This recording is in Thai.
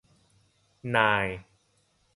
นาย